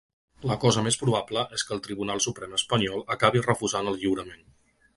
La cosa més probable és que el Tribunal Suprem espanyol acabi refusant el lliurament.